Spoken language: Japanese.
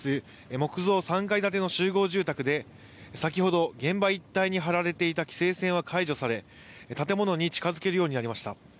木造３階建ての集合住宅で、先ほど現場一帯に張られていた規制線は解除され、建物に近づけるようになりました。